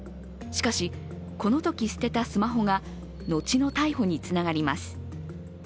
しかし、このとき捨てたスマホがのちの逮捕につながります。